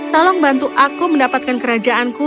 tolong bantu aku mendapatkan kerajaanku